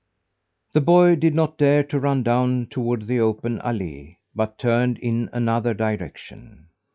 The boy did not dare to run down toward the open allée, but turned in another direction.